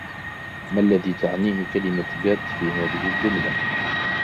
ما الذي تعنيه كلمة " get " في هذه الجملة ؟